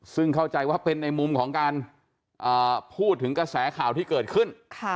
ซึ่งเข้าใจว่าเป็นในมุมของการพูดถึงกระแสข่าวที่เกิดขึ้น